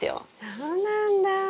そうなんだ。